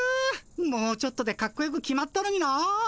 もうちょっとでカッコよく決まったのにな。